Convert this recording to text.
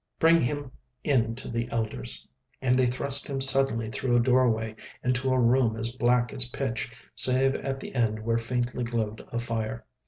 "Bring him in to the elders." And they thrust him suddenly through a doorway into a room as black as pitch, save at the end there faintly glowed a fire.